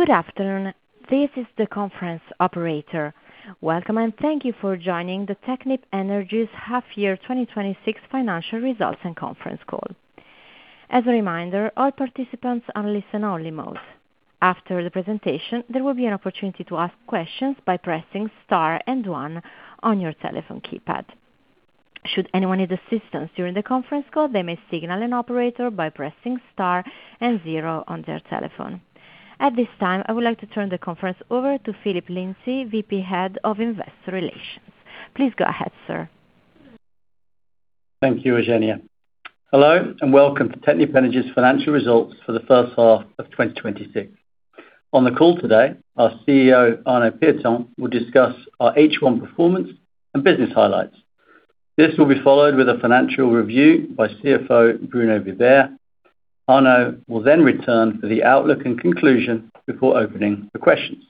Good afternoon. This is the conference operator. Welcome and thank you for joining the Technip Energies half year 2026 financial results and conference call. As a reminder, all participants are listen-only mode. After the presentation, there will be an opportunity to ask questions by pressing star and one on your telephone keypad. Should anyone need assistance during the conference call, they may signal an operator by pressing star and zero on their telephone. At this time, I would like to turn the conference over to Phillip Lindsay, VP, Head of Investor Relations. Please go ahead, sir. Thank you, Eugenia. Hello and welcome to Technip Energies financial results for the first half of 2026. On the call today, our CEO, Arnaud Pieton, will discuss our H1 performance and business highlights. This will be followed with a financial review by CFO Bruno Vibert. Arnaud will return for the outlook and conclusion before opening for questions.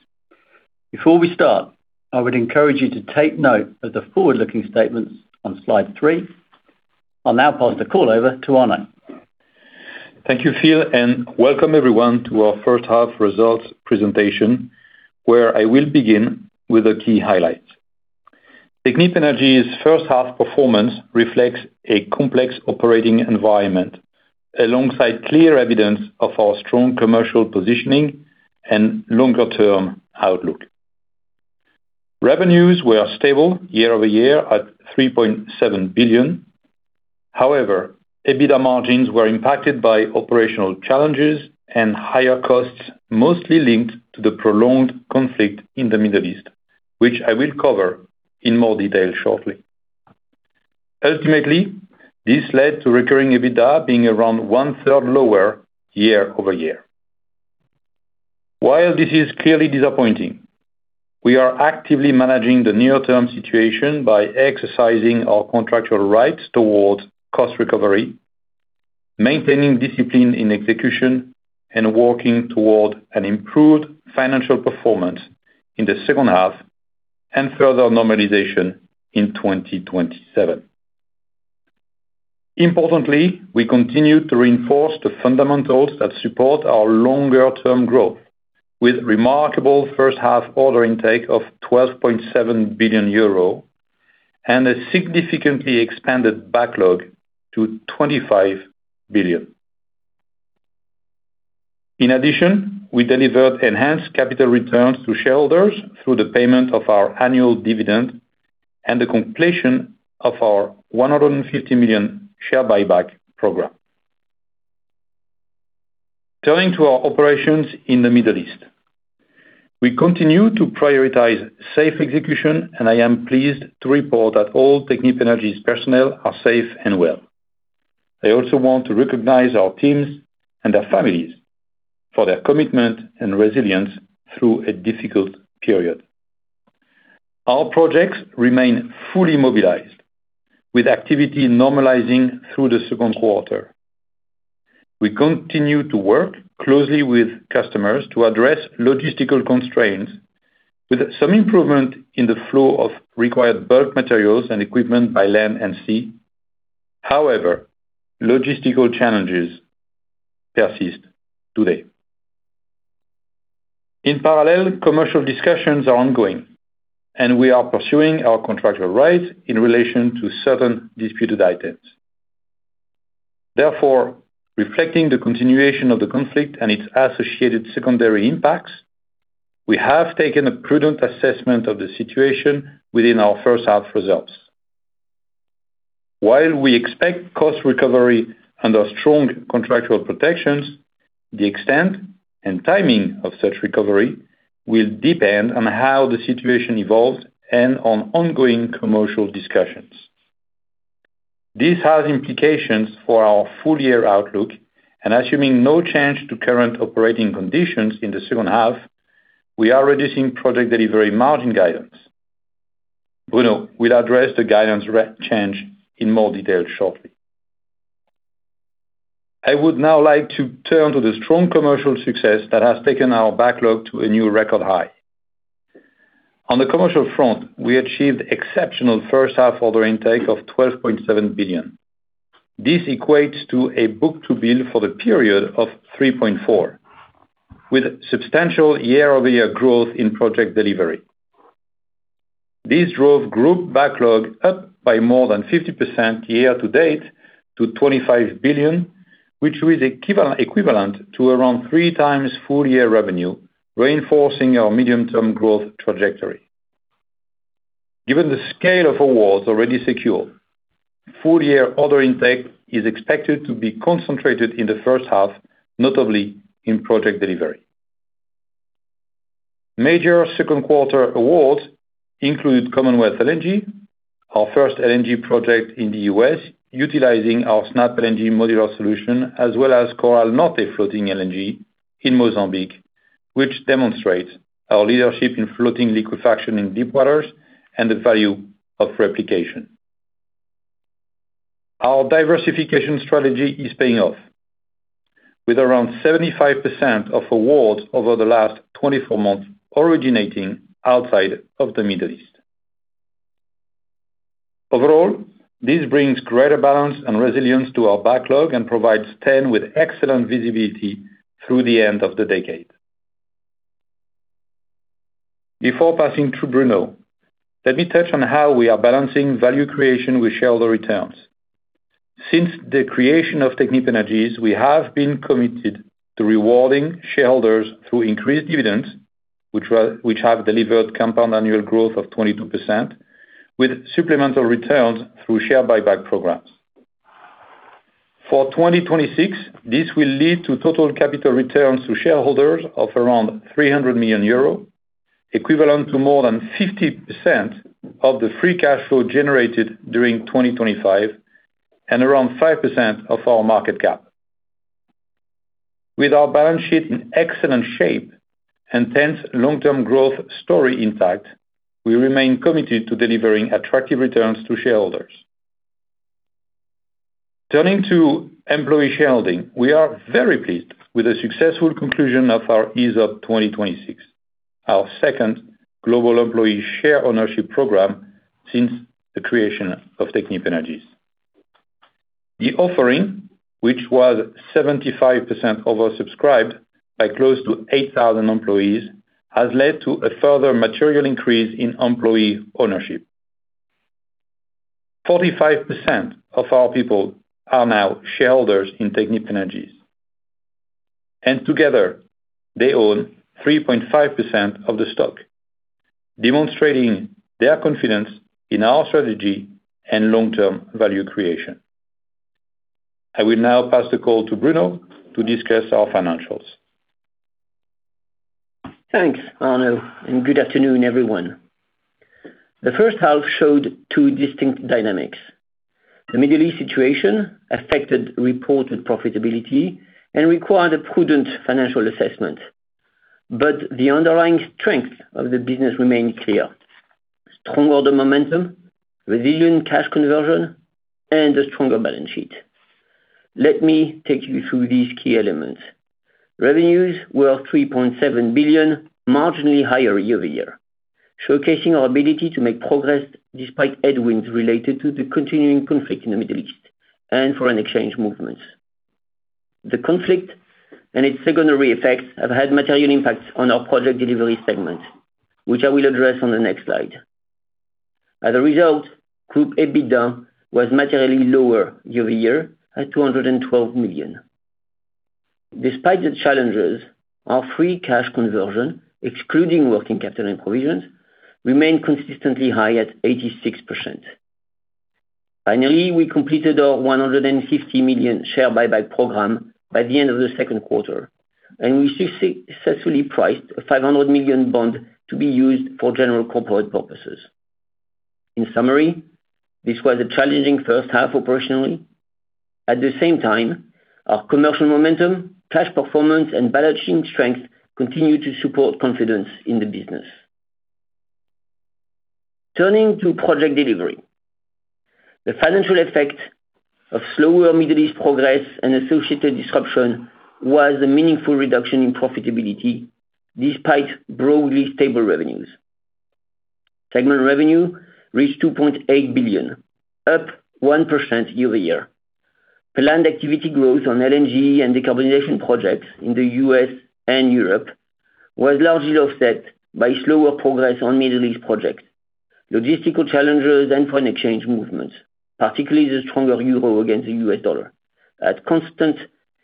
Before we start, I would encourage you to take note of the forward-looking statements on slide three. I'll now pass the call over to Arnaud. Thank you, Phil, and welcome everyone to our first half results presentation, where I will begin with the key highlights. Technip Energies first half performance reflects a complex operating environment alongside clear evidence of our strong commercial positioning and longer-term outlook. Revenues were stable year-over-year at 3.7 billion. However, EBITDA margins were impacted by operational challenges and higher costs, mostly linked to the prolonged conflict in the Middle East, which I will cover in more detail shortly. Ultimately, this led to recurring EBITDA being around one-third lower year-over-year. While this is clearly disappointing, we are actively managing the near-term situation by exercising our contractual rights towards cost recovery, maintaining discipline in execution, and working toward an improved financial performance in the second half and further normalization in 2027. Importantly, we continue to reinforce the fundamentals that support our longer-term growth with remarkable first-half order intake of 12.7 billion euro and a significantly expanded backlog to 25 billion. In addition, we delivered enhanced capital returns to shareholders through the payment of our annual dividend and the completion of our 150 million share buyback program. Turning to our operations in the Middle East. We continue to prioritize safe execution, and I am pleased to report that all Technip Energies personnel are safe and well. I also want to recognize our teams and their families for their commitment and resilience through a difficult period. Our projects remain fully mobilized with activity normalizing through the second quarter. We continue to work closely with customers to address logistical constraints with some improvement in the flow of required bulk materials and equipment by land and sea. However, logistical challenges persist today. In parallel, commercial discussions are ongoing, and we are pursuing our contractual rights in relation to certain disputed items. Therefore, reflecting the continuation of the conflict and its associated secondary impacts, we have taken a prudent assessment of the situation within our first half results. While we expect cost recovery under strong contractual protections, the extent and timing of such recovery will depend on how the situation evolves and on ongoing commercial discussions. This has implications for our full-year outlook and assuming no change to current operating conditions in the second half, we are reducing project delivery margin guidance. Bruno will address the guidance rate change in more detail shortly. I would now like to turn to the strong commercial success that has taken our backlog to a new record high. On the commercial front, we achieved exceptional first half order intake of 12.7 billion. This equates to a book-to-bill for the period of 3.4x with substantial year-over-year growth in project delivery. This drove group backlog up by more than 50% year-to-date to 25 billion, which was equivalent to around 3x full-year revenue, reinforcing our medium-term growth trajectory. Given the scale of awards already secure, full-year order intake is expected to be concentrated in the first half, notably in project delivery. Major second quarter awards include Commonwealth LNG, our first LNG project in the U.S., utilizing our SnapLNG modular solution, as well as Coral Norte Floating LNG in Mozambique, which demonstrates our leadership in floating liquefaction in deep waters and the value of replication. Our diversification strategy is paying off with around 75% of awards over the last 24 months originating outside of the Middle East. Overall, this brings greater balance and resilience to our backlog and provides T.EN with excellent visibility through the end of the decade. Before passing to Bruno, let me touch on how we are balancing value creation with shareholder returns. Since the creation of Technip Energies, we have been committed to rewarding shareholders through increased dividends, which have delivered compound annual growth of 22%, with supplemental returns through share buyback programs. For 2026, this will lead to total capital returns to shareholders of around 300 million euros, equivalent to more than 50% of the free cash flow generated during 2025 and around 5% of our market cap. With our balance sheet in excellent shape and T.EN's long-term growth story intact, we remain committed to delivering attractive returns to shareholders. Turning to employee shareholding, we are very pleased with the successful conclusion of our ESOP 2026, our second global employee share ownership program since the creation of Technip Energies. The offering, which was 75% over-subscribed by close to 8,000 employees, has led to a further material increase in employee ownership. 45% of our people are now shareholders in Technip Energies, and together they own 3.5% of the stock, demonstrating their confidence in our strategy and long-term value creation. I will now pass the call to Bruno to discuss our financials. Thanks, Arnaud. Good afternoon, everyone. The first half showed two distinct dynamics. The Middle East situation affected reported profitability and required a prudent financial assessment. The underlying strength of the business remained clear. Strong order momentum, resilient cash conversion, a stronger balance sheet. Let me take you through these key elements. Revenues were 3.7 billion, marginally higher year-over-year, showcasing our ability to make progress despite headwinds related to the continuing conflict in the Middle East and foreign exchange movements. The conflict and its secondary effects have had material impacts on our Project Delivery segment, which I will address on the next slide. As a result, Group EBITDA was materially lower year-over-year at 212 million. Despite the challenges, our free cash conversion, excluding working capital and provisions, remained consistently high at 86%. We completed our 150 million share buyback program by the end of the second quarter, and we successfully priced a 500 million bond to be used for general corporate purposes. This was a challenging first half operationally. Our commercial momentum, cash performance, and balance sheet strength continued to support confidence in the business. Turning to Project Delivery. The financial effect of slower Middle East progress and associated disruption was a meaningful reduction in profitability despite broadly stable revenues. Segment revenue reached 2.8 billion, up 1% year-over-year. Planned activity growth on LNG and decarbonization projects in the U.S. and Europe was largely offset by slower progress on Middle East projects, logistical challenges, and foreign exchange movements, particularly the stronger euro against the US dollar. At constant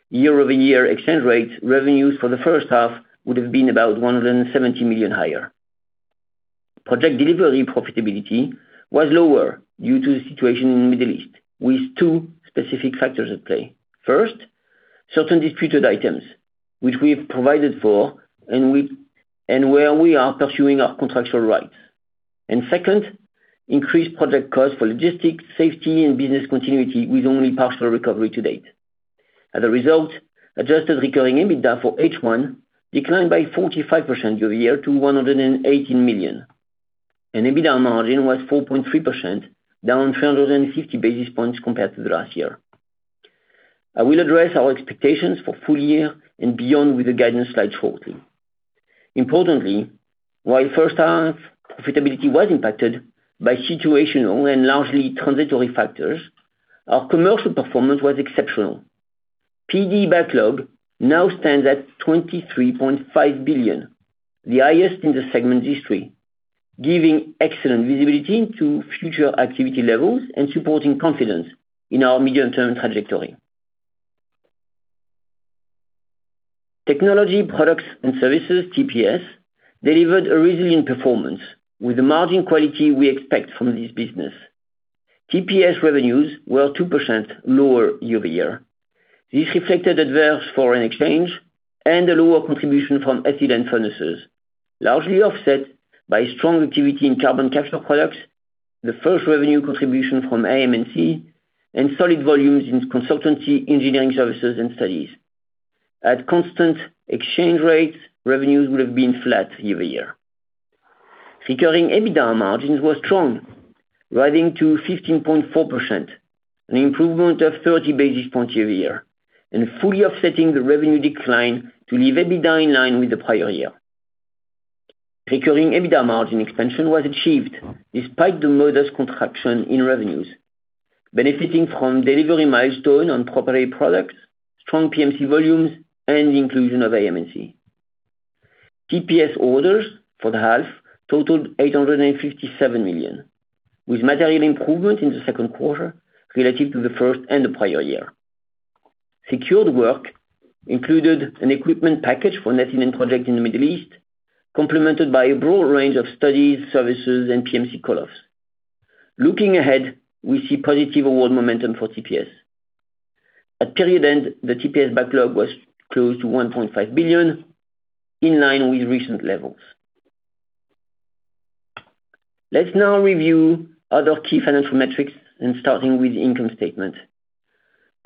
year-over-year exchange rates, revenues for the first half would have been about 170 million higher. Project Delivery profitability was lower due to the situation in the Middle East, with two specific factors at play. Certain disputed items, which we have provided for, and where we are pursuing our contractual rights. Second, increased project costs for logistics, safety, and business continuity with only partial recovery to date. As a result, adjusted recurring EBITDA for H1 declined by 45% year-over-year to 118 million, and EBITDA margin was 4.3%, down 350 basis points compared to last year. I will address our expectations for full-year and beyond with the guidance slide shortly. While first-half profitability was impacted by situational and largely transitory factors, our commercial performance was exceptional. PD backlog now stands at 23.5 billion, the highest in the segment's history, giving excellent visibility into future activity levels and supporting confidence in our medium-term trajectory. Technology, Products, and Services, TPS, delivered a resilient performance with the margin quality we expect from this business. TPS revenues were 2% lower year-over-year. This reflected adverse foreign exchange and a lower contribution from ethylene furnaces, largely offset by strong activity in carbon capture products, the first revenue contribution from AM&C, and solid volumes in consultancy engineering services and studies. At constant exchange rates, revenues would have been flat year-over-year. Recurring EBITDA margins were strong, rising to 15.4%, an improvement of 30 basis points year-over-year and fully offsetting the revenue decline to leave EBITDA in line with the prior year. Recurring EBITDA margin expansion was achieved despite the modest contraction in revenues, benefiting from delivery milestone on proper products, strong PMC volumes, and the inclusion of AM&C. TPS orders for the half totaled 857 million, with material improvement in the second quarter relative to the first and the prior year. Secured work included an equipment package for net-zero project in the Middle East, complemented by a broad range of studies, services, and PMC call-offs. Looking ahead, we see positive award momentum for TPS. At period-end, the TPS backlog was close to 1.5 billion, in line with recent levels. Let's now review other key financial metrics starting with the income statement.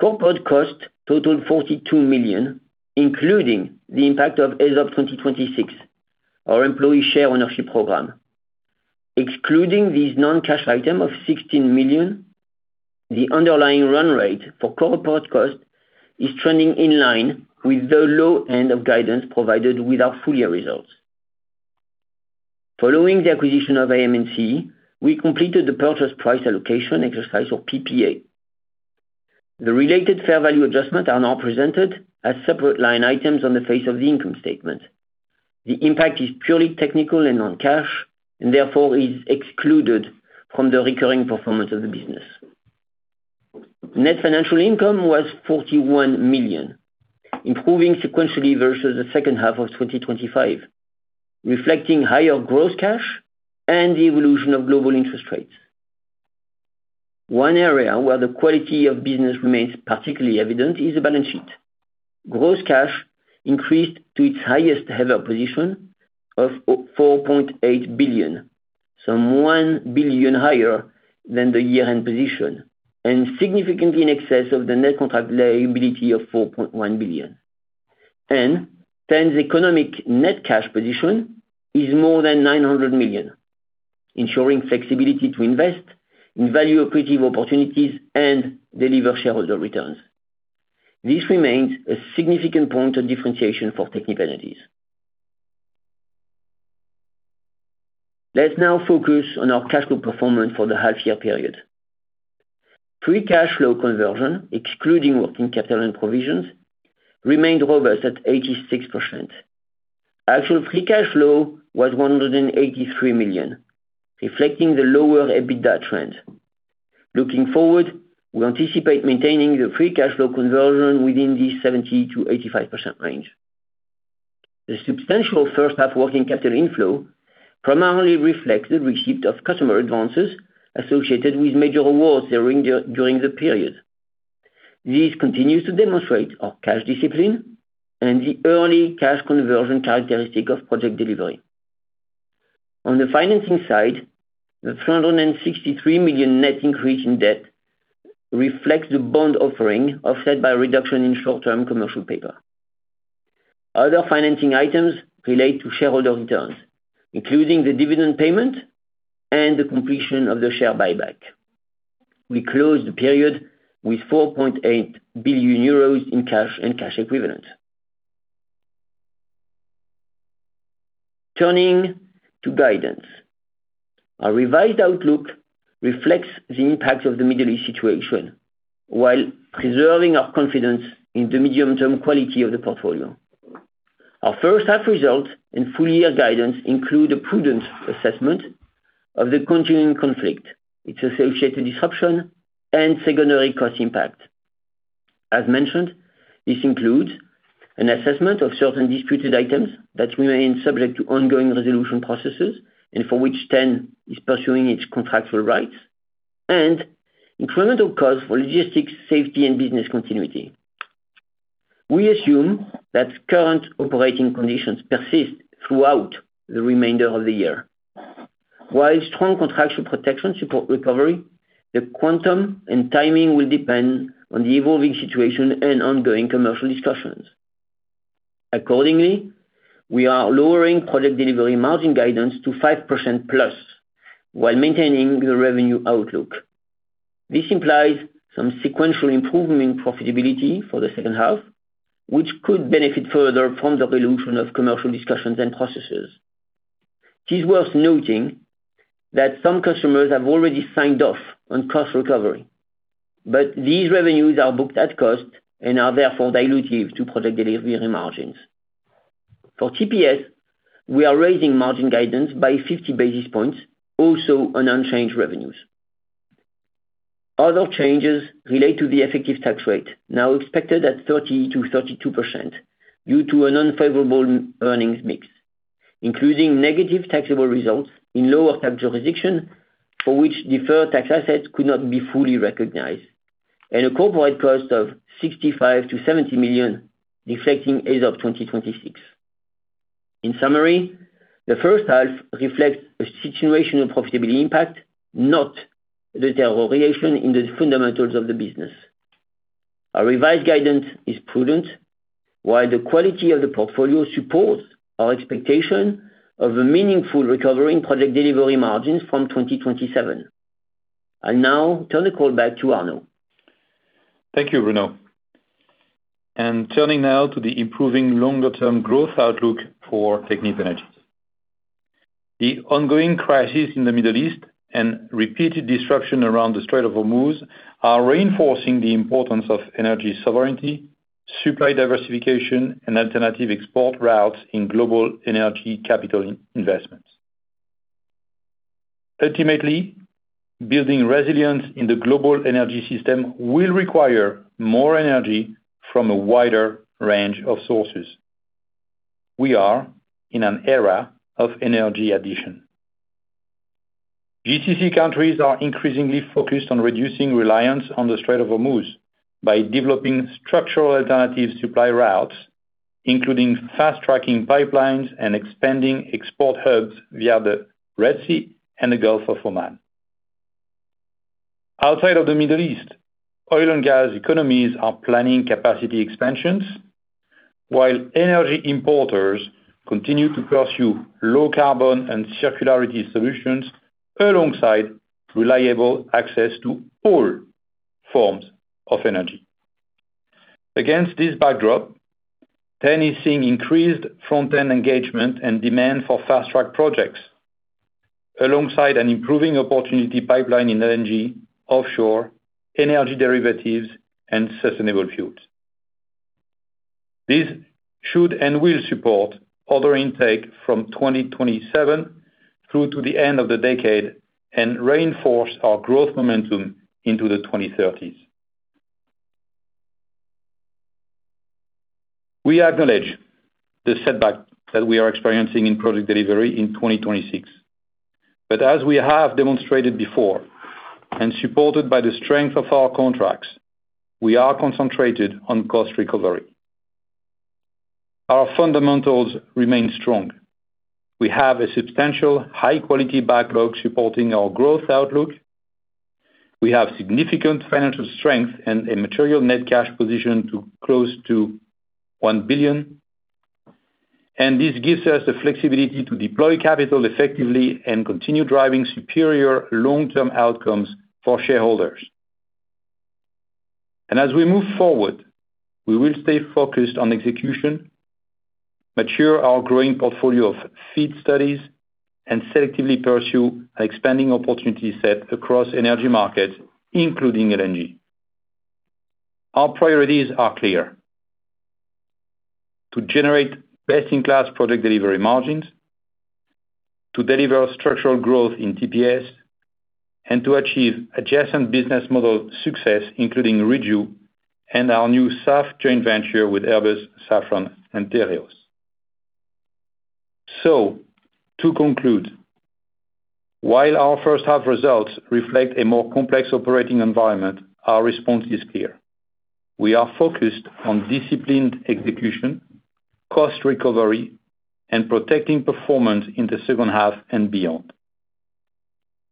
Corporate costs totaled 42 million, including the impact of ESOP 2026, our employee share ownership program. Excluding this non-cash item of 16 million, the underlying run-rate for corporate costs is trending in line with the low end of guidance provided with our full-year results. Following the acquisition of AM&C, we completed the purchase price allocation exercise of PPA. The related fair value adjustment are now presented as separate line items on the face of the income statement. The impact is purely technical and non-cash, therefore is excluded from the recurring performance of the business. Net financial income was 41 million, improving sequentially versus the second half of 2025, reflecting higher gross cash and the evolution of global interest rates. One area where the quality of business remains particularly evident is the balance sheet. Gross cash increased to its highest ever position of 4.8 billion, some 1 billion higher than the year-end position, and significantly in excess of the net contract liability of 4.1 billion. T.EN's economic net cash position is more than 900 million, ensuring flexibility to invest in value accretive opportunities and deliver shareholder returns. This remains a significant point of differentiation for Technip Energies. Let's now focus on our cash flow performance for the half year period. Free cash flow conversion, excluding working capital and provisions, remained robust at 86%. Actual free cash flow was 183 million, reflecting the lower EBITDA trend. Looking forward, we anticipate maintaining the free cash flow conversion within the 70%-85% range. The substantial first half working capital inflow primarily reflects the receipt of customer advances associated with major awards during the period. This continues to demonstrate our cash discipline and the early cash conversion characteristic of project delivery. On the financing side, the 363 million net increase in debt reflects the bond offering, offset by a reduction in short-term commercial paper. Other financing items relate to shareholder returns, including the dividend payment and the completion of the share buyback. We closed the period with 4.8 billion euros in cash and cash equivalents. Turning to guidance. Our revised outlook reflects the impact of the Middle East situation, while preserving our confidence in the medium-term quality of the portfolio. Our first half results and full-year guidance include a prudent assessment of the continuing conflict, its associated disruption, and secondary cost impact. As mentioned, this includes an assessment of certain disputed items that remain subject to ongoing resolution processes and for which T.EN is pursuing its contractual rights, and incremental cost for logistics, safety, and business continuity. We assume that current operating conditions persist throughout the remainder of the year. While strong contractual protection support recovery, the quantum and timing will depend on the evolving situation and ongoing commercial discussions. Accordingly, we are lowering project delivery margin guidance to 5% plus while maintaining the revenue outlook. This implies some sequential improvement in profitability for the second half, which could benefit further from the evolution of commercial discussions and processes. It is worth noting that some customers have already signed off on cost recovery, but these revenues are booked at cost and are therefore dilutive to project delivery margins. For TPS, we are raising margin guidance by 50 basis points, also on unchanged revenues. Other changes relate to the effective tax rate, now expected at 30%-32%, due to an unfavorable earnings mix, including negative taxable results in lower tax jurisdiction for which deferred tax assets could not be fully recognized, and a corporate cost of 65 million-70 million, reflecting as of 2026. In summary, the first half reflects a situational profitability impact, not the deterioration in the fundamentals of the business. Our revised guidance is prudent, while the quality of the portfolio supports our expectation of a meaningful recovery in project delivery margins from 2027. I'll now turn the call back to Arnaud. Thank you, Bruno. Turning now to the improving longer-term growth outlook for Technip Energies. The ongoing crisis in the Middle East and repeated disruption around the Strait of Hormuz are reinforcing the importance of energy sovereignty, supply diversification, and alternative export routes in global energy capital investments. Ultimately, building resilience in the global energy system will require more energy from a wider range of sources. We are in an era of energy addition. GCC countries are increasingly focused on reducing reliance on the Strait of Hormuz by developing structural alternative supply routes, including fast-tracking pipelines and expanding export hubs via the Red Sea and the Gulf of Oman. Outside of the Middle East, oil and gas economies are planning capacity expansions, while energy importers continue to pursue low carbon and circularity solutions alongside reliable access to all forms of energy. Against this backdrop, T.EN is seeing increased front-end engagement and demand for fast-track projects alongside an improving opportunity pipeline in LNG, offshore, energy derivatives, and sustainable fuels. This should and will support order intake from 2027 through to the end of the decade and reinforce our growth momentum into the 2030s. As we have demonstrated before, and supported by the strength of our contracts, we are concentrated on cost recovery. Our fundamentals remain strong. We have a substantial high-quality backlog supporting our growth outlook. We have significant financial strength and a material net cash position close to 1 billion. This gives us the flexibility to deploy capital effectively and continue driving superior long-term outcomes for shareholders. As we move forward, we will stay focused on execution, mature our growing portfolio of FEED studies, and selectively pursue an expanding opportunity set across energy markets, including LNG. Our priorities are clear: to generate best-in-class project delivery margins, to deliver structural growth in TPS, and to achieve adjacent business model success, including [Rebound] and our new SAF joint venture with Airbus, Safran, and Tereos. To conclude, while our first half results reflect a more complex operating environment, our response is clear. We are focused on disciplined execution, cost recovery, and protecting performance in the second half and beyond.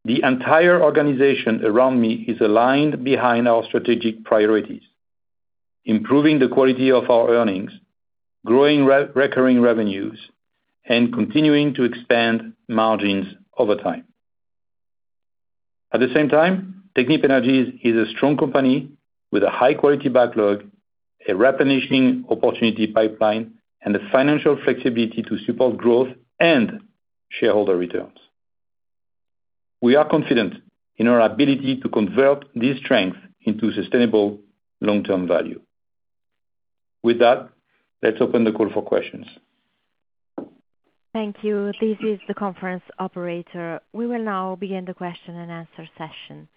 The entire organization around me is aligned behind our strategic priorities, improving the quality of our earnings, growing recurring revenues, and continuing to expand margins over time. At the same time, Technip Energies is a strong company with a high-quality backlog, a replenishing opportunity pipeline, and the financial flexibility to support growth and shareholder returns. We are confident in our ability to convert this strength into sustainable long-term value. With that, let's open the call for questions. Thank you. This is the conference operator. We will now begin the question-and-answer session.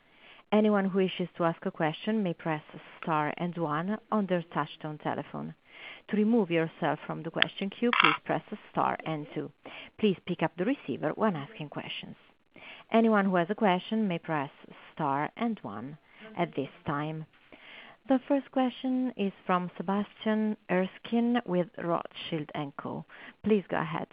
Anyone who wishes to ask a question may press star and one on their touch-tone telephone. To remove yourself from the question queue, please press star and two. Please pick up the receiver when asking questions. Anyone who has a question may press star and one at this time. The first question is from Sebastian Erskine with Rothschild & Co. Please go ahead.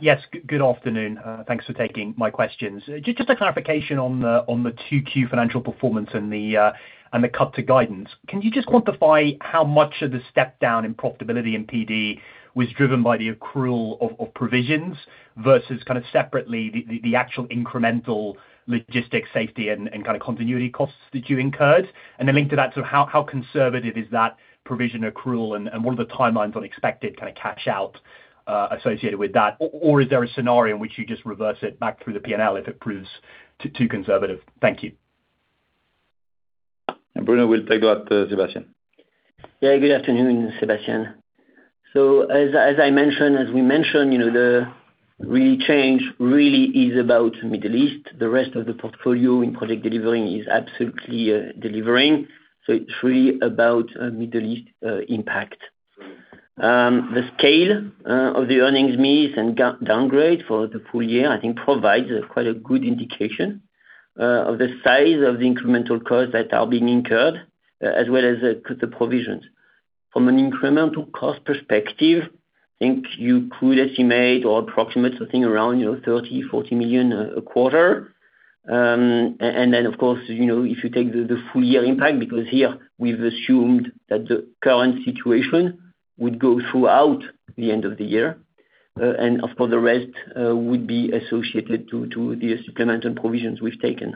Yes. Good afternoon. Thanks for taking my questions. Just a clarification on the 2Q financial performance and the cut to guidance. Can you just quantify how much of the step down in profitability in PD was driven by the accrual of provisions versus separately, the actual incremental logistics, safety, and continuity costs that you incurred? And then linked to that, how conservative is that provision accrual, and what are the timelines on expected catch out associated with that? Or is there a scenario in which you just reverse it back through the P&L if it proves too conservative? Thank you. Bruno will take that, Sebastian. Yeah. Good afternoon, Sebastian. As we mentioned, the real change really is about Middle East. The rest of the portfolio in project delivering is absolutely delivering. It's really about Middle East impact. The scale of the earnings miss and downgrade for the full-year, I think provides quite a good indication of the size of the incremental costs that are being incurred, as well as the provisions. From an incremental cost perspective, I think you could estimate or approximate something around 30 million-40 million a quarter. Then, of course, if you take the full-year impact, because here we've assumed that the current situation would go throughout the end of the year Of course, the rest would be associated to the supplemental provisions we've taken.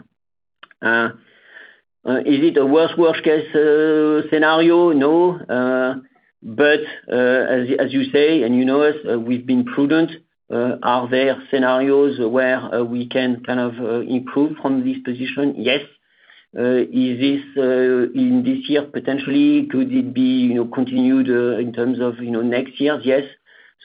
Is it a worst case scenario? No. As you say, and you know us, we've been prudent. Are there scenarios where we can improve from this position? Yes. Is this in this year, potentially? Could it be continued in terms of next year? Yes.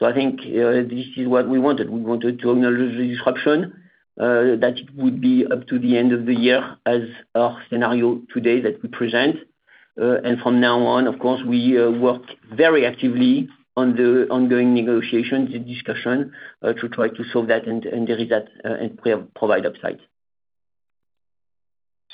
I think this is what we wanted. We wanted to acknowledge the disruption that would be up to the end of the year as our scenario today that we present. From now on, of course, we work very actively on the ongoing negotiations and discussion to try to solve that and resolve that and provide upside.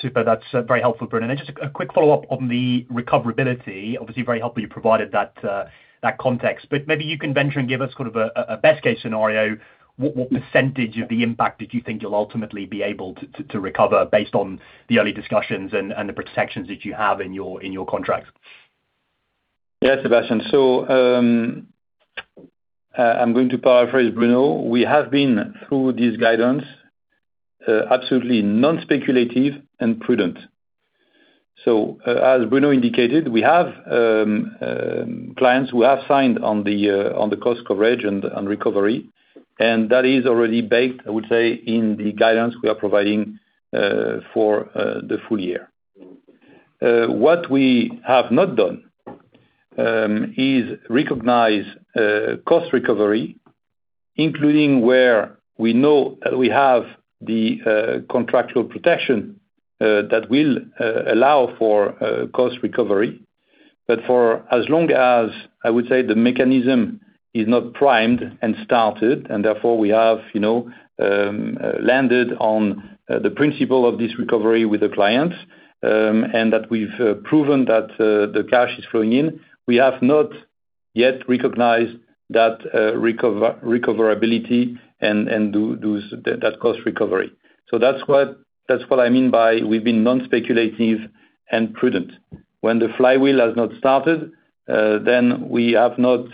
Super. That's very helpful, Bruno. Just a quick follow-up on the recoverability. Obviously, very helpful you provided that context, maybe you can venture and give us a best case scenario. What percentage of the impact did you think you'll ultimately be able to recover based on the early discussions and the protections that you have in your contracts? Sebastian. I'm going to paraphrase Bruno. We have been, through this guidance, absolutely non-speculative and prudent. As Bruno indicated, we have clients who have signed on the cost coverage and recovery, and that is already baked, I would say, in the guidance we are providing for the full-year. What we have not done is recognize cost recovery, including where we know we have the contractual protection that will allow for cost recovery. For as long as, I would say, the mechanism is not primed and started, and therefore we have landed on the principle of this recovery with the clients, and that we've proven that the cash is flowing in, we have not yet recognized that recoverability and that cost recovery. That's what I mean by we've been non-speculative and prudent. When the flywheel has not started, we have not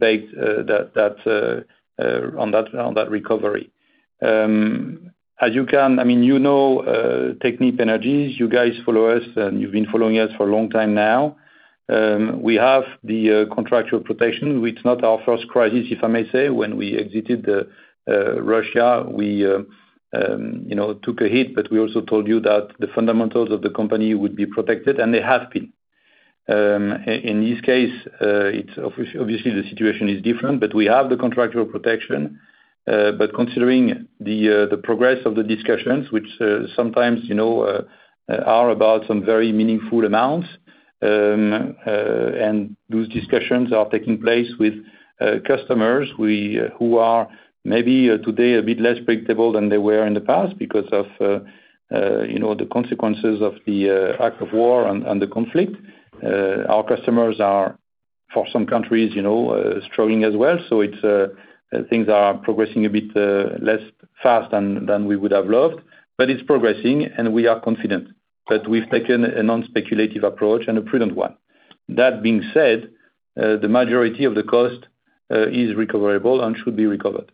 banked on that recovery. You know Technip Energies. You guys follow us, and you've been following us for a long time now. We have the contractual protection. It's not our first crisis, if I may say. When we exited Russia, we took a hit, we also told you that the fundamentals of the company would be protected, and they have been. In this case, obviously the situation is different, we have the contractual protection. Considering the progress of the discussions, which sometimes are about some very meaningful amounts, and those discussions are taking place with customers who are maybe today a bit less predictable than they were in the past because of the consequences of the act of war and the conflict. Our customers are, for some countries, struggling as well. Things are progressing a bit less fast than we would have loved, it's progressing and we are confident. We've taken a non-speculative approach and a prudent one. That being said, the majority of the cost is recoverable and should be recovered.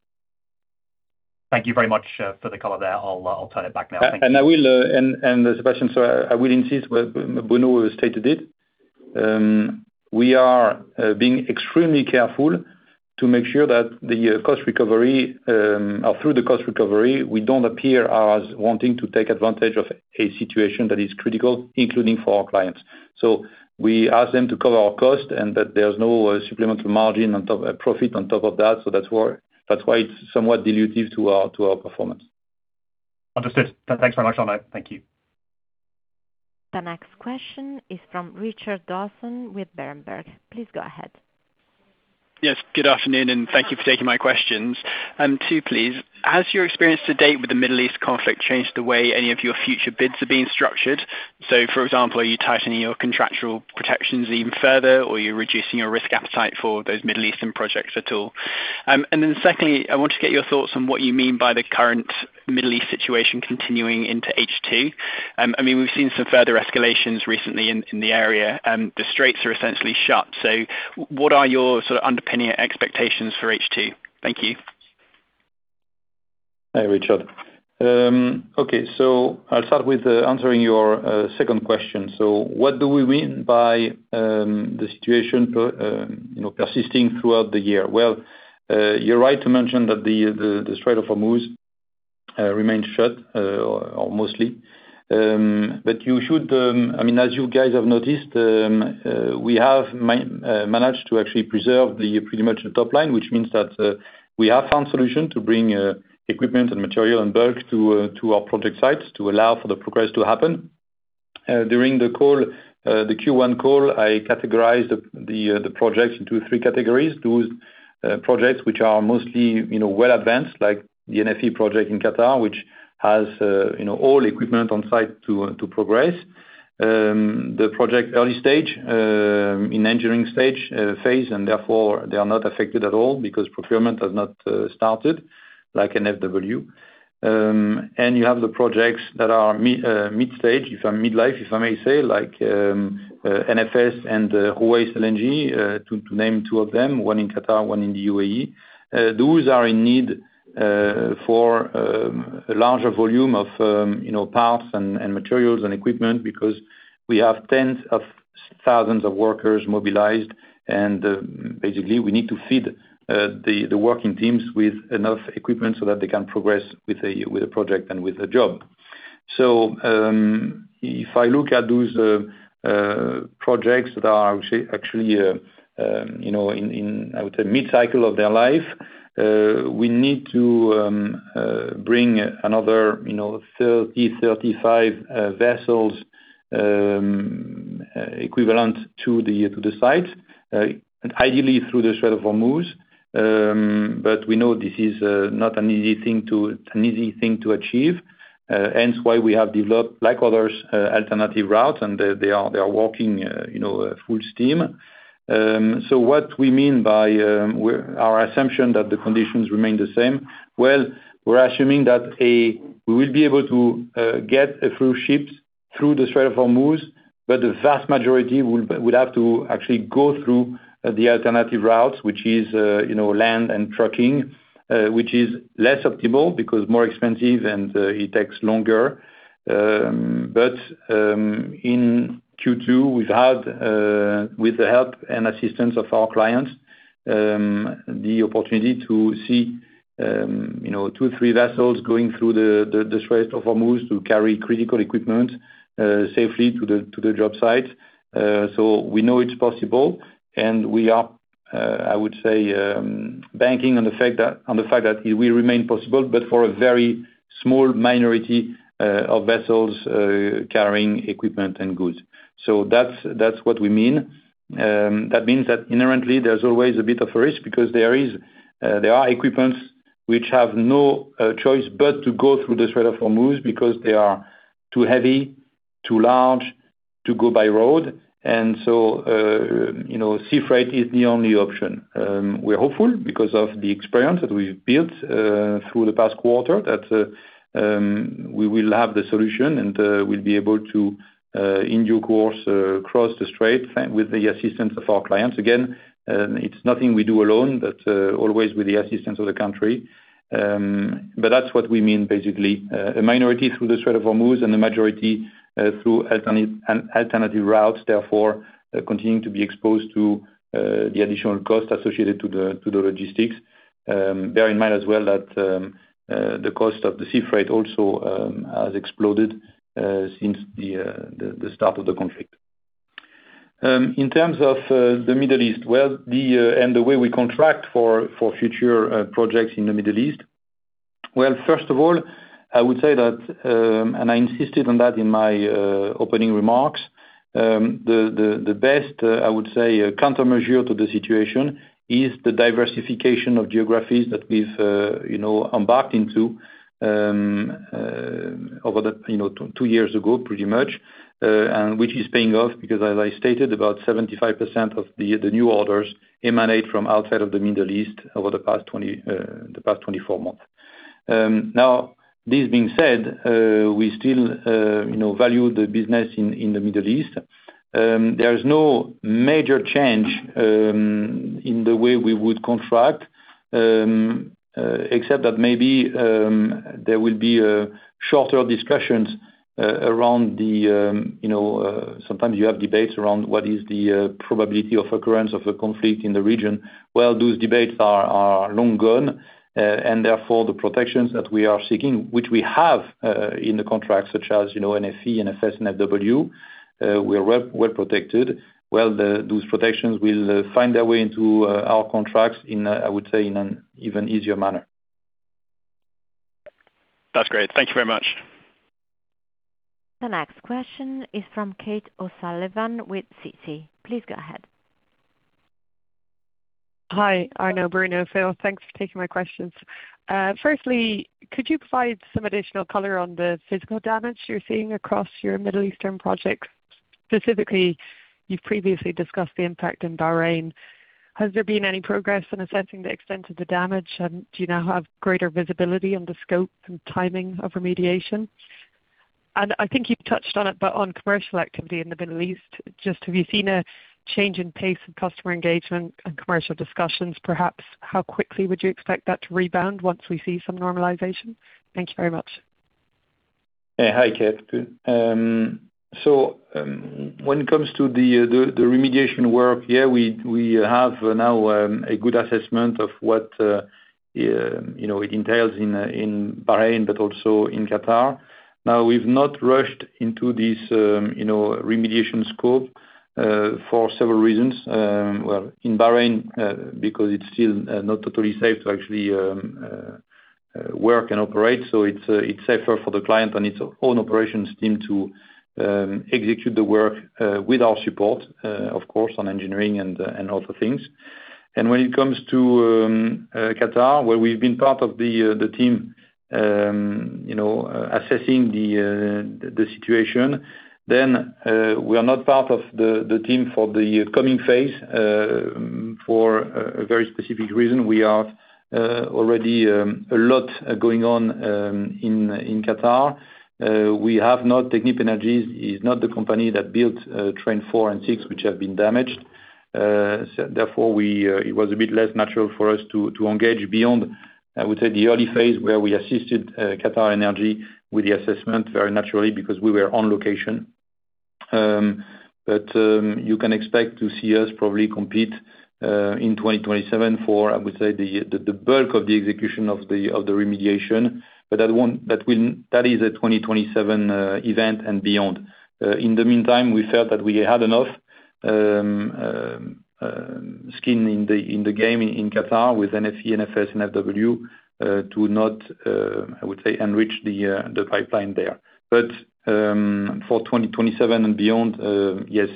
Thank you very much for the color there. I'll turn it back now. Thank you. Sebastian, I will insist, but Bruno stated it. We are being extremely careful to make sure that through the cost recovery, we don't appear as wanting to take advantage of a situation that is critical, including for our clients. We ask them to cover our cost and that there's no supplemental margin profit on top of that. That's why it's somewhat dilutive to our performance. Understood. Thanks very much, Arnaud. Thank you. The next question is from Richard Dawson with Berenberg. Please go ahead. Yes, good afternoon, and thank you for taking my questions. Two, please. Has your experience to date with the Middle East conflict changed the way any of your future bids are being structured? For example, are you tightening your contractual protections even further, or are you reducing your risk appetite for those Middle Eastern projects at all? Then secondly, I want to get your thoughts on what you mean by the current Middle East situation continuing into H2. We've seen some further escalations recently in the area. The Straits are essentially shut. What are your underpinning expectations for H2? Thank you. Hi, Richard. I'll start with answering your second question. What do we mean by the situation persisting throughout the year? You're right to mention that the Strait of Hormuz remains shut, or mostly. As you guys have noticed, we have managed to actually preserve pretty much the top-line, which means that we have found solution to bring equipment and material and bulk to our project sites to allow for the progress to happen. During the Q1 call, I categorized the projects into three categories. Those projects, which are mostly well advanced, like the NFE project in Qatar, which has all equipment on site to progress. The project early stage, in engineering phase, and therefore they are not affected at all because procurement has not started, like an FW. You have the projects that are mid-stage, midlife, if I may say, like NFS and Ruwais LNG, to name two of them, one in Qatar, one in the UAE. Those are in need for a larger volume of paths and materials and equipment because we have tens of thousands of workers mobilized, and basically we need to feed the working teams with enough equipment so that they can progress with a project and with a job. If I look at those projects that are actually in, I would say, mid-cycle of their life, we need to bring another 30-35 vessels equivalent to the site, ideally through the Strait of Hormuz. We know this is not an easy thing to achieve, hence why we have developed, like others, alternative routes, and they are working full steam. What we mean by our assumption that the conditions remain the same, we're assuming that we will be able to get a few ships through the Strait of Hormuz, the vast majority will have to actually go through the alternative routes, which is land and trucking which is less optimal because more expensive and it takes longer. In Q2, we've had, with the help and assistance of our clients, the opportunity to see two or three vessels going through the Strait of Hormuz to carry critical equipment safely to the job site. We know it's possible, and we are, I would say, banking on the fact that it will remain possible, but for a very small minority of vessels carrying equipment and goods. That's what we mean. That means that inherently, there's always a bit of a risk because there is equipment which have no choice but to go through the Strait of Hormuz because they are too heavy, too large to go by road. Sea freight is the only option. We're hopeful because of the experience that we've built through the past quarter that we will have the solution and we'll be able to, in due course, cross the strait with the assistance of our clients. Again, it's nothing we do alone, but always with the assistance of the country. That's what we mean, basically, a minority through the Strait of Hormuz and the majority through alternative routes, therefore, continuing to be exposed to the additional cost associated to the logistics. Bear in mind as well that the cost of the sea freight also has exploded since the start of the conflict. In terms of the Middle East, the way we contract for future projects in the Middle East. Well, first of all, I would say that, and I insisted on that in my opening remarks, the best, I would say, countermeasure to the situation is the diversification of geographies that we've embarked into over two years ago, pretty much. Which is paying off because as I stated, about 75% of the new orders emanate from outside of the Middle East over the past 24 months. This being said, we still value the business in the Middle East. There is no major change in the way we would contract, except that maybe there will be shorter discussions. Sometimes you have debates around what is the probability of occurrence of a conflict in the region. Well, those debates are long gone, therefore, the protections that we are seeking, which we have in the contract, such as NFE, NFS, NFW, we are well protected. Well, those protections will find their way into our contracts in, I would say, in an even easier manner. That's great. Thank you very much. The next question is from Kate O'Sullivan with Citi. Please go ahead. Hi, Arnaud, Bruno. Phil, thanks for taking my questions. Firstly, could you provide some additional color on the physical damage you are seeing across your Middle Eastern projects? Specifically, you have previously discussed the impact in Bahrain. Has there been any progress in assessing the extent of the damage, and do you now have greater visibility on the scope and timing of remediation? I think you have touched on it, but on commercial activity in the Middle East, have you seen a change in pace of customer engagement and commercial discussions, perhaps? How quickly would you expect that to rebound once we see some normalization? Thank you very much. Hi, Kate. When it comes to the remediation work, we have now a good assessment of what it entails in Bahrain, but also in Qatar. We have not rushed into this remediation scope for several reasons. In Bahrain, because it is still not totally safe to actually work and operate. It is safer for the client and its own operations team to execute the work with our support, of course, on engineering and other things. When it comes to Qatar, where we have been part of the team assessing the situation, we are not part of the team for the coming phase for a very specific reason. We have already a lot going on in Qatar. Technip Energies is not the company that built Train 4 and Train 6, which have been damaged. It was a bit less natural for us to engage beyond, I would say, the early phase where we assisted QatarEnergy with the assessment very naturally because we were on location. You can expect to see us probably compete in 2027 for, I would say, the bulk of the execution of the remediation, but that is a 2027 event and beyond. In the meantime, we felt that we had enough skin in the game in Qatar with NFE, NFS, and FW to not, I would say, enrich the pipeline there. For 2027 and beyond, yes,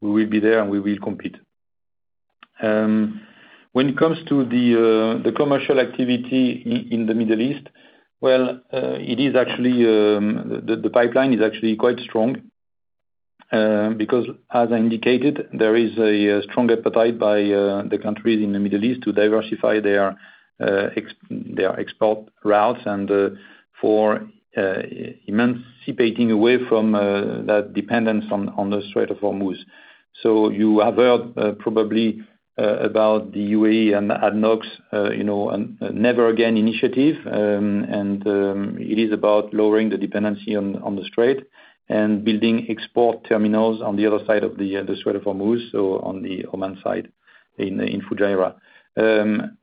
we will be there, and we will compete. When it comes to the commercial activity in the Middle East, the pipeline is actually quite strong because as I indicated, there is a strong appetite by the countries in the Middle East to diversify their export routes and for emancipating away from that dependence on the Strait of Hormuz. You have heard probably about the UAE and ADNOC's never again initiative, and it is about lowering the dependency on the strait and building export terminals on the other side of the Strait of Hormuz, on the Oman side in Fujairah.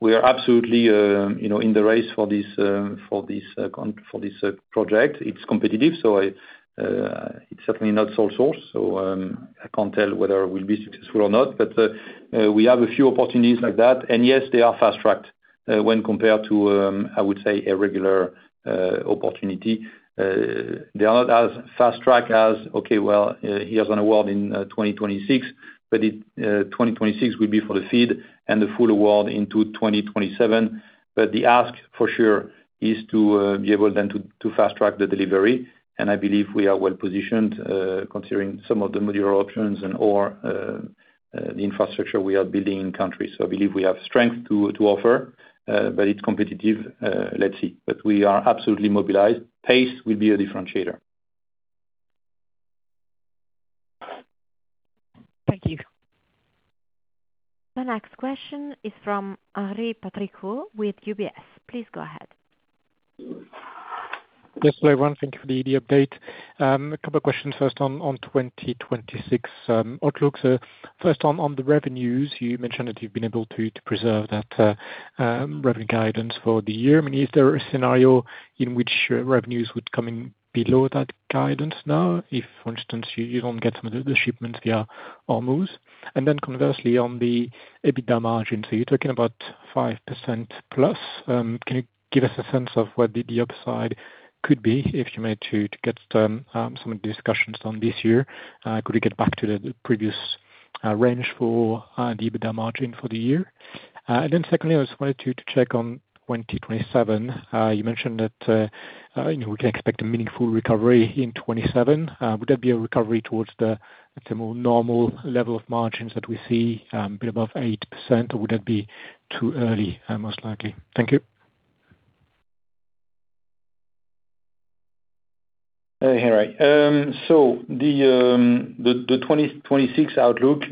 We are absolutely in the race for this project. It is competitive, it is certainly not sole source. I can't tell whether we will be successful or not. We have a few opportunities like that. Yes, they are fast-tracked when compared to, I would say, a regular opportunity. They are not as fast-track as, okay, well, here's an award in 2026 will be for the FEED and the full award into 2027. The ask for sure is to be able then to fast-track the delivery, and I believe we are well positioned considering some of the modular options and/or the infrastructure we are building in country. I believe we have strength to offer, but it's competitive. Let's see. We are absolutely mobilized. Pace will be a differentiator. Thank you. The next question is from Henri Patricot with UBS. Please go ahead. Yes, hello, everyone. Thank you for the update. A couple of questions first on 2026 outlook. First on the revenues, you mentioned that you've been able to preserve that revenue guidance for the year. I mean, is there a scenario in which revenues would come in below that guidance now, if, for instance, you don't get some of the shipments via Hormuz? Conversely, on the EBITDA margin, you're talking about 5%+. Can you give us a sense of what the upside could be, if you may, to get some of the discussions on this year? Could we get back to the previous range for the EBITDA margin for the year? Secondly, I just wanted to check on 2027. You mentioned that we can expect a meaningful recovery in 2027. Would that be a recovery towards the more normal level of margins that we see, a bit above 8%, or would that be too early, most likely? Thank you. Henri. The 2026 outlook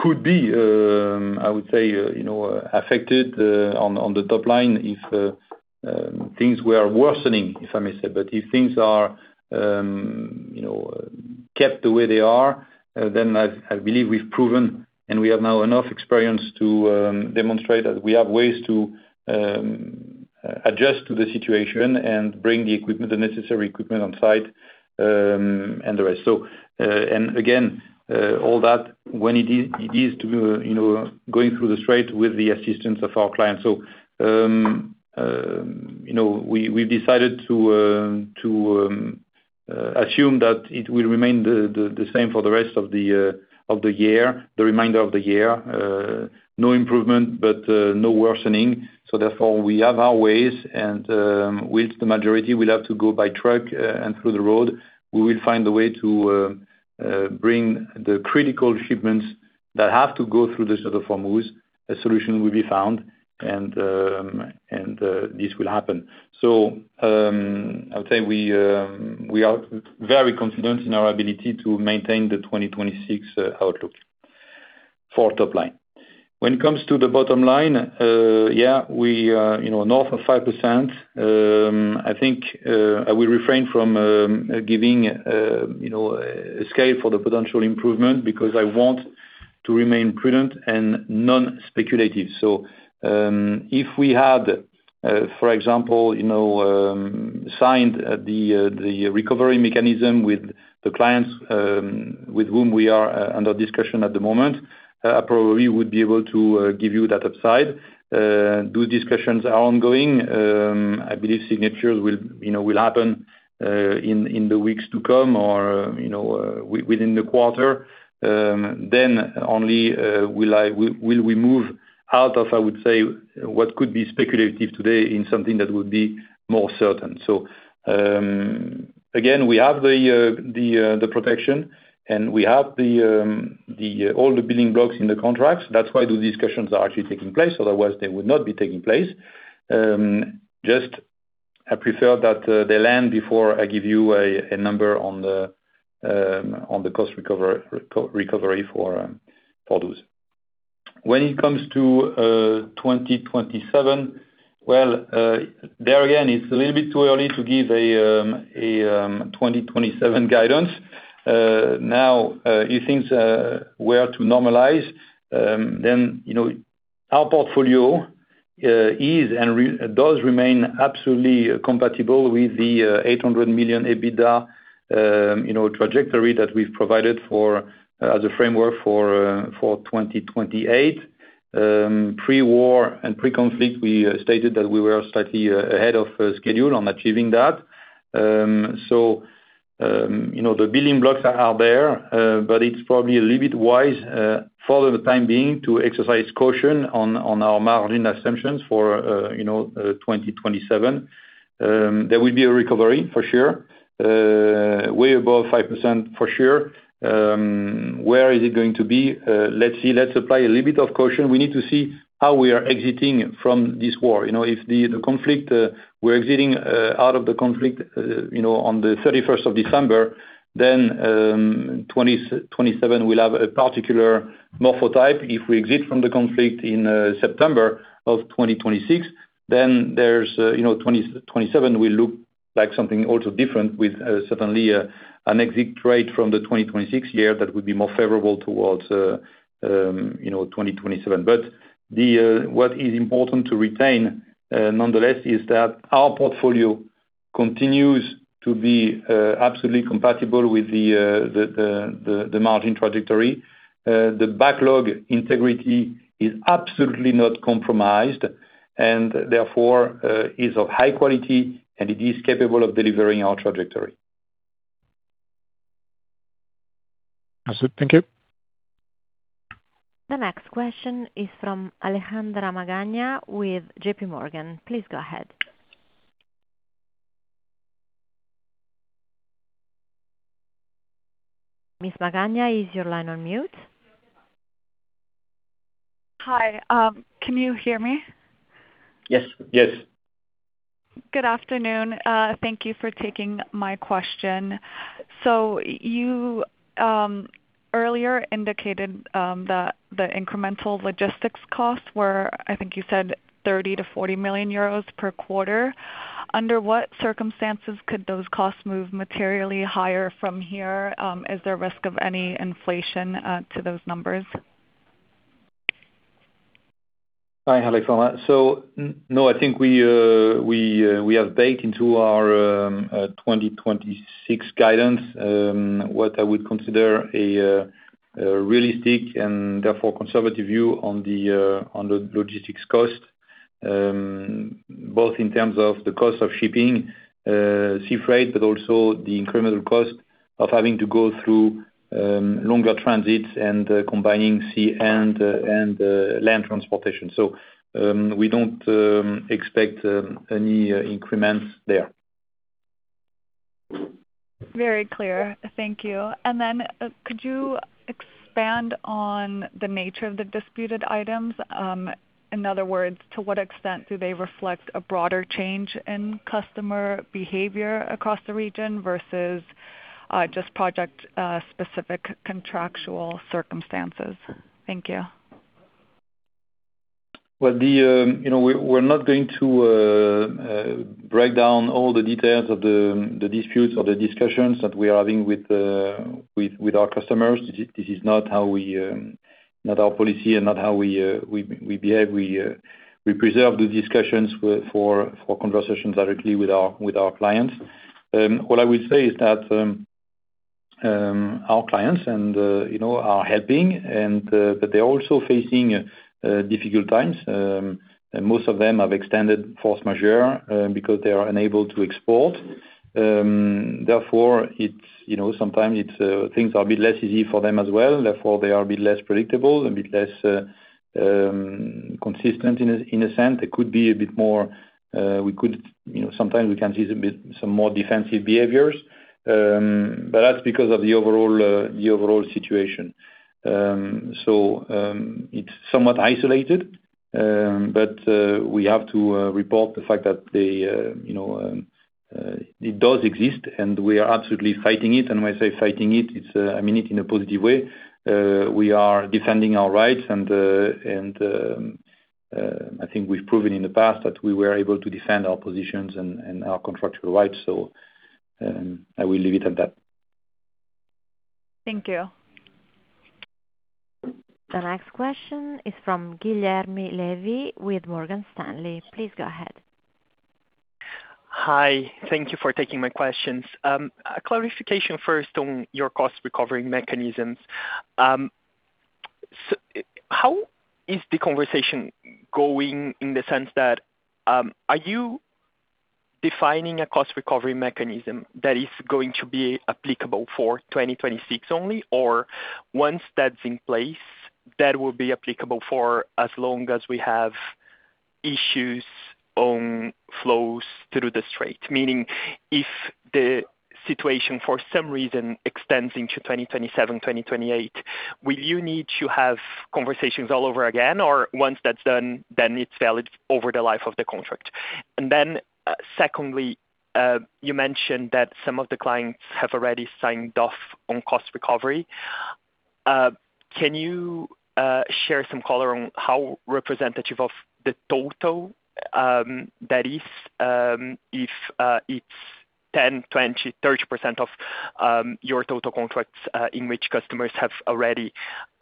could be, I would say, affected on the top-line if things were worsening, if I may say. If things are kept the way they are, then I believe we've proven and we have now enough experience to demonstrate that we have ways to adjust to the situation and bring the necessary equipment on-site and the rest. Again, all that when it is to going through the Strait with the assistance of our clients. We decided to assume that it will remain the same for the rest of the year, the remainder of the year. No improvement, but no worsening. Therefore, we have our ways and with the majority will have to go by truck and through the road. We will find a way to bring the critical shipments that have to go through the Strait of Hormuz. A solution will be found, and this will happen. I would say we are very confident in our ability to maintain the 2026 outlook for top-line. When it comes to the bottom-line, yeah, north of 5%. I think I will refrain from giving a scale for the potential improvement because I want to remain prudent and non-speculative. If we had, for example, signed the recovery mechanism with the clients with whom we are under discussion at the moment, I probably would be able to give you that upside. Those discussions are ongoing. I believe signatures will happen in the weeks to come or within the quarter. Only will we move out of, I would say, what could be speculative today in something that would be more certain. Again, we have the protection, and we have all the building blocks in the contracts. That's why the discussions are actually taking place. Otherwise, they would not be taking place. Just I prefer that they land before I give you a number on the cost recovery for those. When it comes to 2027, well, there again, it's a little bit too early to give a 2027 guidance. Now, if things were to normalize, our portfolio is and does remain absolutely compatible with the 800 million EBITDA trajectory that we've provided as a framework for 2028. Pre-war and pre-conflict, we stated that we were slightly ahead of schedule on achieving that. The building blocks are there, but it's probably a little bit wise for the time being to exercise caution on our margin assumptions for 2027. There will be a recovery for sure, way above 5% for sure. Where is it going to be? Let's see. Let's apply a little bit of caution. We need to see how we are exiting from this war. If we're exiting out of the conflict on the 31st of December, then 2027 will have a particular morphotype. If we exit from the conflict in September of 2026, then 2027 will look like something also different with certainly an exit rate from the 2026 year that would be more favorable towards 2027. What is important to retain, nonetheless, is that our portfolio continues to be absolutely compatible with the margin trajectory. The backlog integrity is absolutely not compromised and therefore is of high quality, and it is capable of delivering our trajectory. That's it. Thank you. The next question is from Alejandra Magana with JPMorgan. Please go ahead. Ms. Magana, is your line on mute? Hi. Can you hear me? Yes. Yes. Good afternoon. Thank you for taking my question. You earlier indicated that the incremental logistics costs were, I think you said 30 million-40 million euros per quarter. Under what circumstances could those costs move materially higher from here? Is there a risk of any inflation to those numbers? Hi, Alejandra. No, I think we have baked into our 2026 guidance, what I would consider a realistic and therefore conservative view on the logistics cost, both in terms of the cost of shipping, sea freight, also the incremental cost of having to go through longer transits and combining sea and land transportation. We don't expect any increments there. Very clear. Thank you. Could you expand on the nature of the disputed items? In other words, to what extent do they reflect a broader change in customer behavior across the region versus just project specific contractual circumstances? Thank you. We're not going to break down all the details of the disputes or the discussions that we are having with our customers. This is not our policy and not how we behave. We preserve the discussions for conversations directly with our clients. What I would say is that our clients are helping, but they're also facing difficult times. Most of them have extended force majeure because they are unable to export. Therefore, sometimes things are a bit less easy for them as well, therefore they are a bit less predictable, a bit less consistent in a sense. Sometimes we can see some more defensive behaviors. That's because of the overall situation. It's somewhat isolated, but we have to report the fact that it does exist, and we are absolutely fighting it. When I say fighting it, I mean it in a positive way. We are defending our rights and I think we've proven in the past that we were able to defend our positions and our contractual rights. I will leave it at that. Thank you. The next question is from Guilherme Levy with Morgan Stanley. Please go ahead. Hi. Thank you for taking my questions. A clarification first on your cost recovery mechanisms. How is the conversation going in the sense that, are you defining a cost recovery mechanism that is going to be applicable for 2026 only, or once that's in place, that will be applicable for as long as we have issues on flows through the strait? Meaning, if the situation for some reason extends into 2027-2028, will you need to have conversations all over again? Or once that's done, then it's valid over the life of the contract? Secondly, you mentioned that some of the clients have already signed off on cost recovery. Can you share some color on how representative of the total that is? If it's 10%, 20%, 30% of your total contracts in which customers have already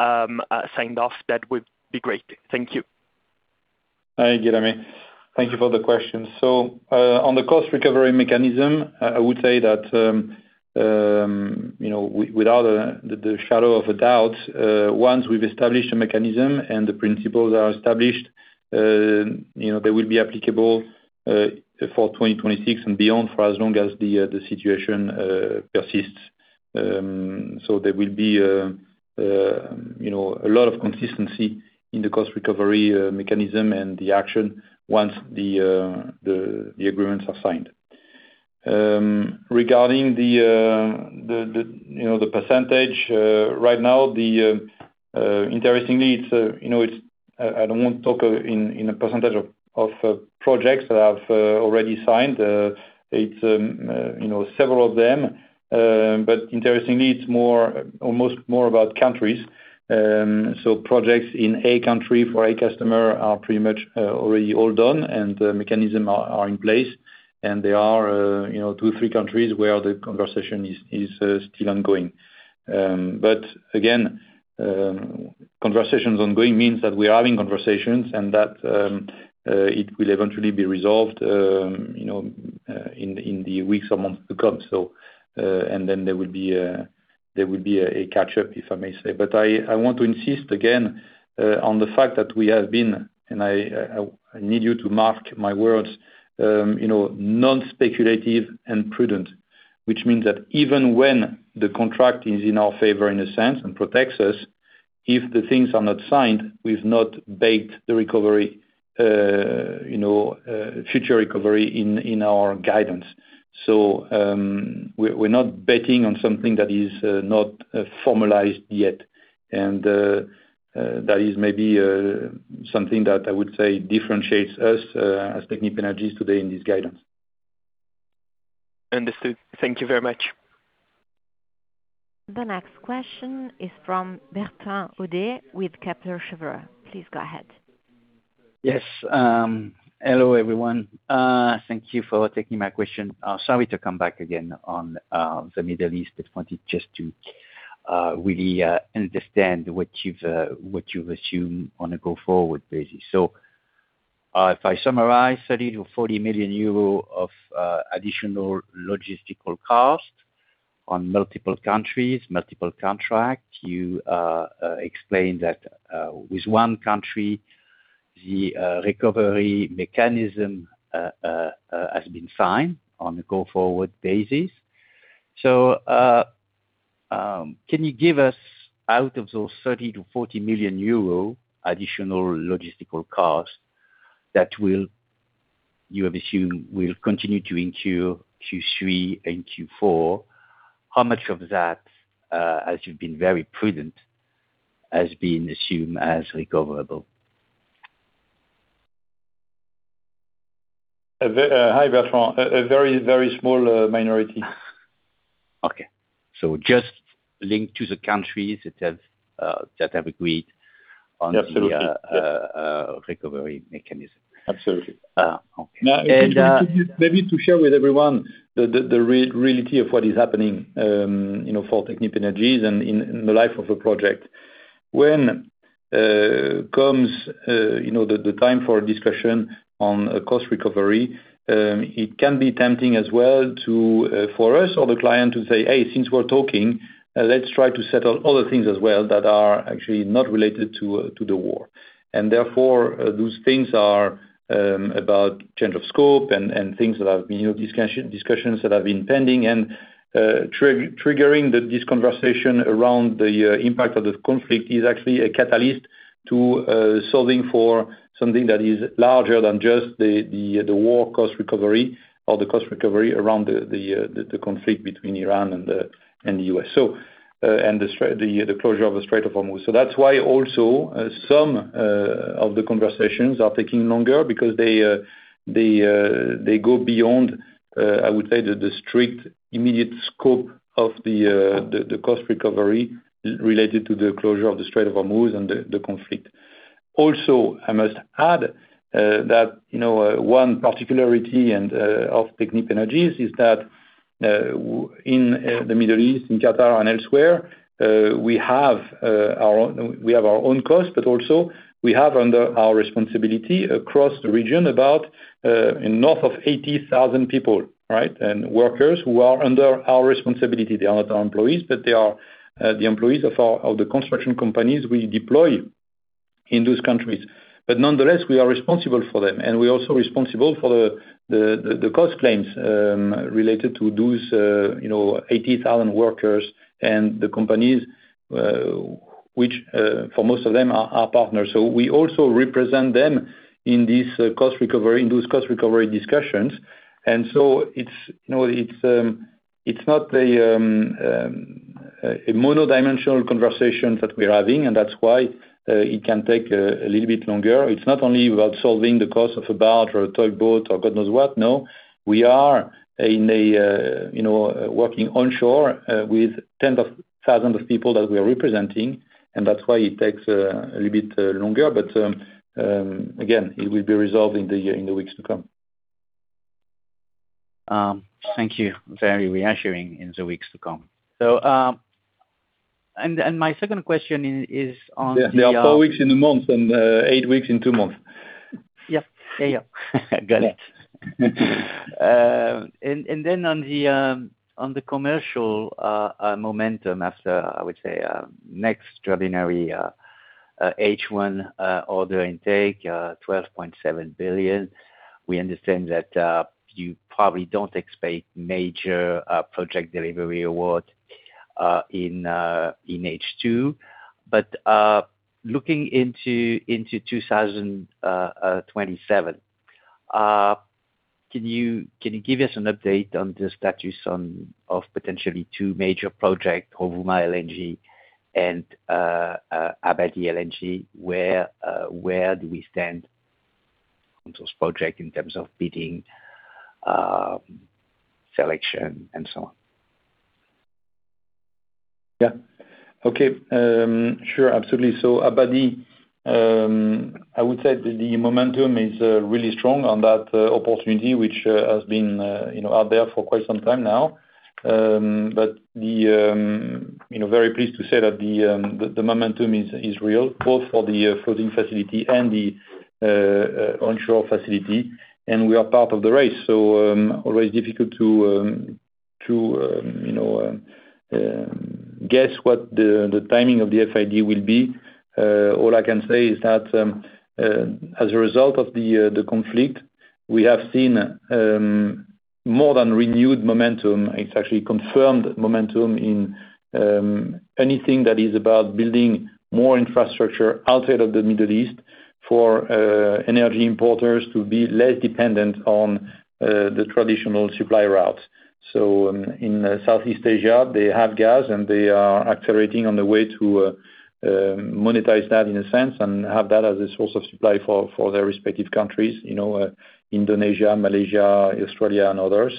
signed off, that would be great. Thank you. Hi, Guilherme. Thank you for the question. On the cost recovery mechanism, I would say that without the shadow of a doubt, once we've established a mechanism and the principles are established, they will be applicable for 2026 and beyond, for as long as the situation persists. There will be a lot of consistency in the cost recovery mechanism and the action once the agreements are signed. Regarding the percentage, right now, interestingly, I don't want to talk in a percentage of projects that I've already signed. It's several of them. Interestingly, it's almost more about countries. Projects in a country for a customer are pretty much already all done and the mechanism are in place. There are two, three countries where the conversation is still ongoing. Again, conversations ongoing means that we are having conversations and that it will eventually be resolved in the weeks or months to come. Then there will be a catch-up, if I may say. I want to insist again on the fact that we have been, and I need you to mark my words, non-speculative and prudent. Which means that even when the contract is in our favor in a sense, and protects us, if the things are not signed, we've not baked the future recovery in our guidance. We're not betting on something that is not formalized yet. That is maybe something that I would say differentiates us as Technip Energies today in this guidance. Understood. Thank you very much. The next question is from Bertrand Hodée with Kepler Cheuvreux. Please go ahead. Yes. Hello, everyone. Thank you for taking my question. Sorry to come back again on the Middle East, wanted just to really understand what you've assumed on a go-forward basis. If I summarize 30 million to 40 million euro of additional logistical cost on multiple countries, multiple contracts, you explained that with one country, the recovery mechanism has been signed on a go-forward basis. Can you give us, out of those 30 million to 40 million euro additional logistical costs that you have assumed will continue to incur Q3 and Q4, how much of that, as you've been very prudent, has been assumed as recoverable? Hi, Bertrand. A very small minority. Okay. Just linked to the countries that have agreed on the- Absolutely recovery mechanism. Absolutely. Okay. Maybe to share with everyone the reality of what is happening for Technip Energies and in the life of a project. When comes the time for a discussion on cost recovery, it can be tempting as well for us or the client to say, hey, since we're talking, let's try to settle other things as well that are actually not related to the war. Therefore, discussions that have been pending and triggering this conversation around the impact of the conflict is actually a catalyst to solving for something that is larger than just the war cost recovery or the cost recovery around the conflict between Iran and the U.S.. The closure of the Strait of Hormuz. That's why also some of the conversations are taking longer because they go beyond, I would say, the strict, immediate scope of the cost recovery related to the closure of the Strait of Hormuz and the conflict. Also, I must add that one particularity of Technip Energies is that in the Middle East, in Qatar and elsewhere, we have our own cost, but also we have under our responsibility across the region about north of 80,000 people, right? Workers who are under our responsibility. They are not our employees, but they are the employees of the construction companies we deploy in those countries. Nonetheless, we are responsible for them. We're also responsible for the cost claims related to those 80,000 workers and the companies which for most of them are partners. We also represent them in those cost recovery discussions. It's not a mono-dimensional conversation that we're having, and that's why it can take a little bit longer. It's not only about solving the cost of a barge or a tugboat or God knows what. No, we are working onshore with tens of thousands of people that we are representing, and that's why it takes a little bit longer. Again, it will be resolved in the weeks to come. Thank you. Very reassuring, in the weeks to come. My second question is on There are four weeks in a month and eight weeks in two months. Got it. On the commercial momentum after, I would say, an extraordinary H1 order intake, 12.7 billion. We understand that you probably don't expect major project delivery awards in H2. Looking into 2027, can you give us an update on the status of potentially two major project, Rovuma LNG and Abadi LNG? Where do we stand on those project in terms of bidding, selection and so on? Sure, absolutely. Abadi, I would say the momentum is really strong on that opportunity, which has been out there for quite some time now. Very pleased to say that the momentum is real, both for the floating facility and the onshore facility. We are part of the race. Always difficult to guess what the timing of the FID will be. All I can say is that, as a result of the conflict, we have seen more than renewed momentum. It's actually confirmed momentum in anything that is about building more infrastructure outside of the Middle East for energy importers to be less dependent on the traditional supply routes. In Southeast Asia, they have gas, and they are accelerating on the way to monetize that in a sense and have that as a source of supply for their respective countries, Indonesia, Malaysia, Australia, and others.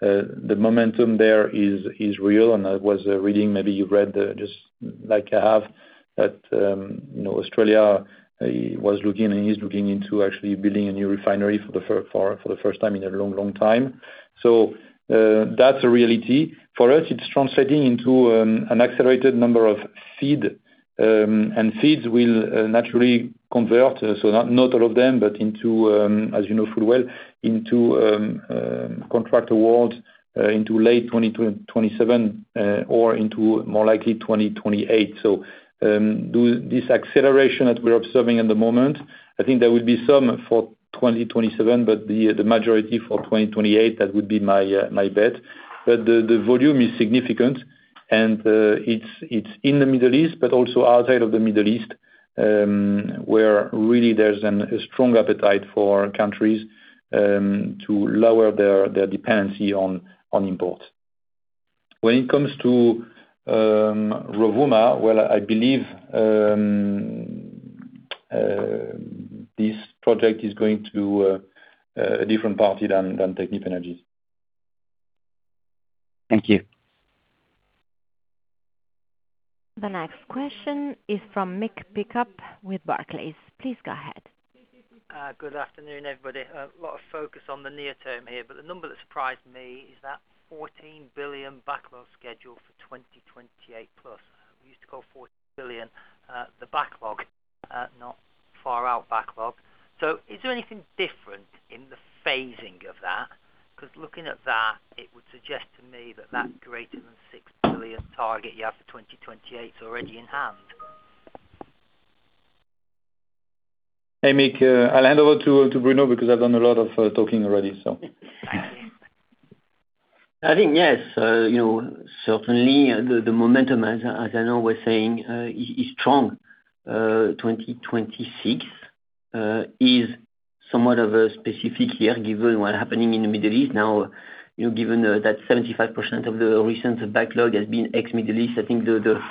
The momentum there is real, and I was reading, maybe you read, just like I have, that Australia was looking and is looking into actually building a new refinery for the first time in a long, long time. That's a reality. For us, it's translating into an accelerated number of FEED. FEEDs will naturally convert, so not all of them, but into, as you know full well, into contract awards into late 2027 or into more likely 2028. This acceleration that we're observing at the moment, I think there will be some for 2027, but the majority for 2028. That would be my bet. The volume is significant, and it's in the Middle East, but also outside of the Middle East, where really there's a strong appetite for countries to lower their dependency on imports. When it comes to Rovuma, well, I believe this project is going to a different party than Technip Energies. Thank you. The next question is from Mick Pickup with Barclays. Please go ahead. Good afternoon, everybody. A lot of focus on the near term here, but the number that surprised me is that 14 billion backlog schedule for 2028+. We used to call 14 billion the backlog, not far out backlog. Is there anything different in the phasing of that? Because looking at that, it would suggest to me that greater than 6 billion target you have for 2028 is already in hand. Hey, Mick. I'll hand over to Bruno because I've done a lot of talking already. I think yes. Certainly, the momentum, as Arnaud was saying, is strong. 2026 is somewhat of a specific year given what's happening in the Middle East now. Given that 75% of the recent backlog has been ex-Middle East, I think the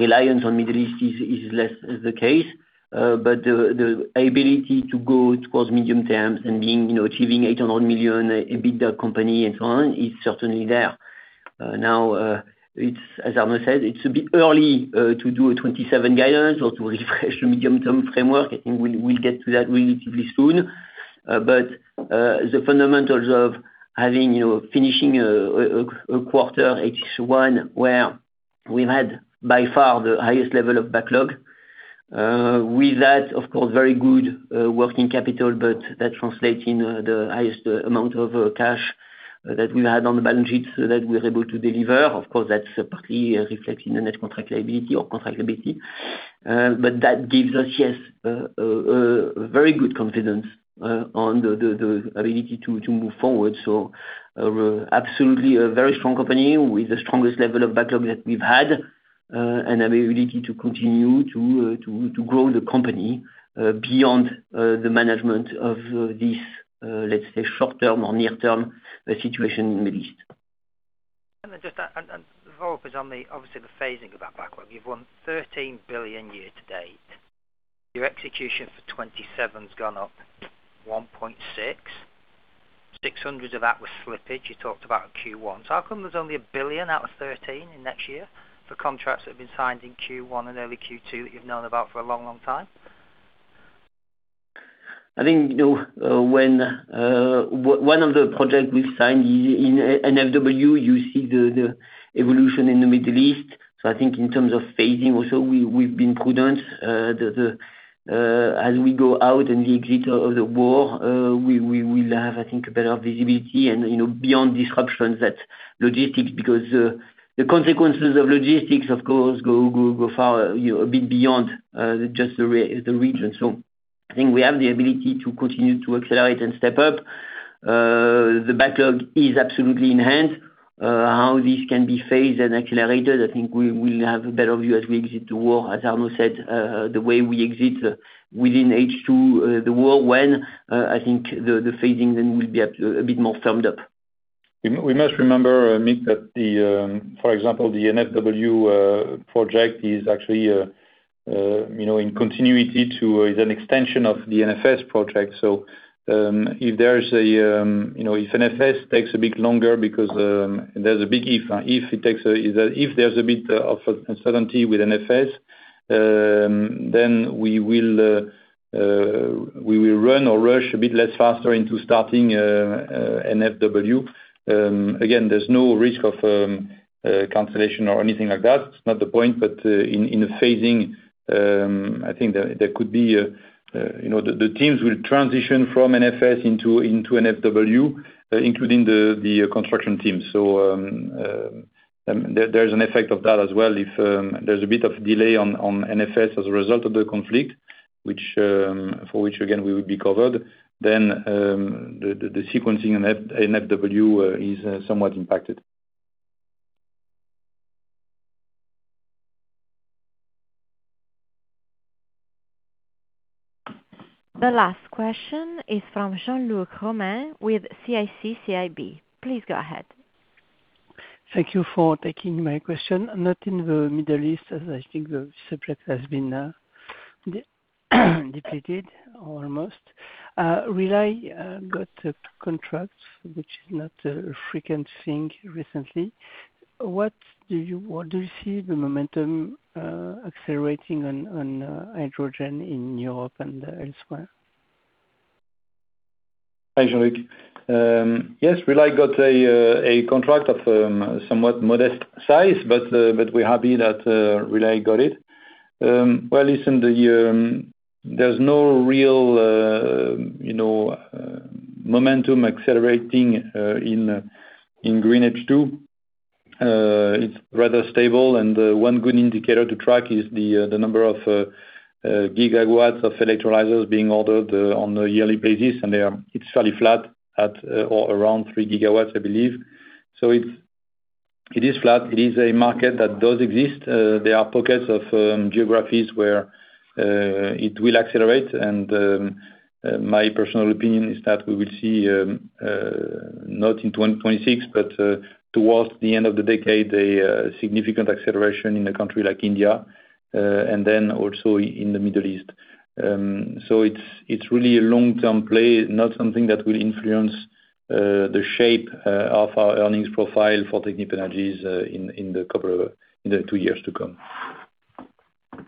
reliance on Middle East is less the case. The ability to go towards medium-term and achieving 800 million EBITDA company and so on is certainly there. It's, as Arnaud said, a bit early to do a 2027 guidance or to refresh the medium-term framework. I think we'll get to that relatively soon. The fundamentals of finishing a quarter, H1, where we've had by far the highest level of backlog. With that, of course, very good working capital. That translates in the highest amount of cash that we had on the balance sheet so that we're able to deliver. Of course, that's partly reflected in the net contract liability or contract liability. That gives us, yes, very good confidence on the ability to move forward. We're absolutely a very strong company with the strongest level of backlog that we've had. Have the ability to continue to grow the company beyond the management of this, let's say, short-term or near-term, the situation in the Middle East. Just a follow-up is on the, obviously, the phasing of that backlog. You've won 13 billion year-to-date. Your execution for 2027 has gone up 1.6 billion. 600 million of that was slippage, you talked about Q1. How come there's only 1 billion out of 13 billion in next year for contracts that have been signed in Q1 and early Q2 that you've known about for a long, long time? I think one of the projects we've signed is in NFW. You see the evolution in the Middle East. I think in terms of phasing, also, we've been prudent. As we go out in the exit of the war, we will have, I think, better visibility and, beyond disruptions, that logistics because the consequences of logistics, of course, go far, a bit beyond just the region. I think we have the ability to continue to accelerate and step up. The backlog is absolutely in hand. How this can be phased and accelerated, I think we will have a better view as we exit the war. As Arnaud said, the way we exit within H2, the war, when, I think the phasing then will be a bit more firmed up. We must remember, Mick, that the, for example, the NFW project is actually in continuity to, is an extension of the NFS project. If NFS takes a bit longer because there's a big if. If there's a bit of uncertainty with NFS, then we will run or rush a bit less faster into starting NFW. Again, there's no risk of cancellation or anything like that. It's not the point, but in the phasing, I think there could be, the teams will transition from NFS into NFW, including the construction team. There's an effect of that as well. If there's a bit of delay on NFS as a result of the conflict, for which again, we would be covered, then the sequencing in NFW is somewhat impacted. The last question is from Jean-Luc Romain with CIC CIB. Please go ahead. Thank you for taking my question. Not in the Middle East, as I think the subject has been depleted almost. Rely got contracts, which is not a frequent thing recently. Do you see the momentum accelerating on hydrogen in Europe and elsewhere? Hi, Jean-Luc. Yes, Rely got a contract of somewhat modest size, but we're happy that Rely got it. Well, listen, there's no real momentum accelerating in green H2. It's rather stable. One good indicator to track is the number of gigawatts of electrolyzers being ordered on a yearly basis. It's fairly flat at or around three gigawatts, I believe. It is flat. It is a market that does exist. There are pockets of geographies where it will accelerate, and my personal opinion is that we will see, not in 2026, but towards the end of the decade, a significant acceleration in a country like India, and then also in the Middle East. It's really a long-term play, not something that will influence the shape of our earnings profile for Technip Energies in the two years to come.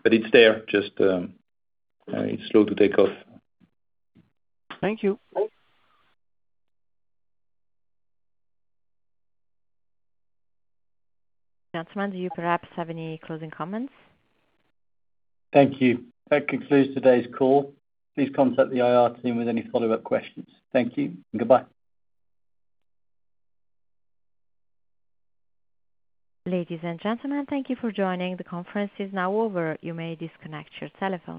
It's there, just it's slow to take off. Thank you. Gentlemen, do you perhaps have any closing comments? Thank you. That concludes today's call. Please contact the IR team with any follow-up questions. Thank you. Goodbye. Ladies and gentlemen, thank you for joining. The conference is now over. You may disconnect your telephone.